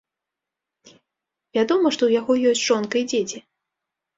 Вядома, што ў яго ёсць жонка і дзеці.